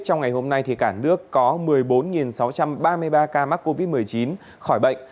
trong ngày hôm nay cả nước có một mươi bốn sáu trăm ba mươi ba ca mắc covid một mươi chín khỏi bệnh